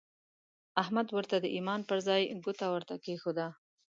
احمد ورته د ايمان پر ځای ګوته ورته کېښوده.